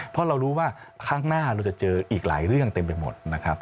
เพราะเรารู้ว่าข้างหน้าเราจะเจออีกหลายเรื่องเต็มไปหมดนะครับ